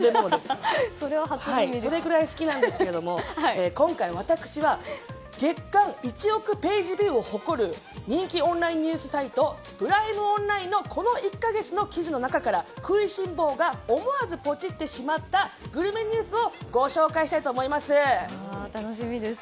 それくらい好きなんですけれども今回、私は月間１億ＰＶを誇る人気オンラインニュースサイトプライムオンラインのこの１か月の記事の中から食いしん坊が思わずポチってしまったグルメニュースを楽しみです。